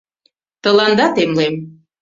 — Тыланда темлем.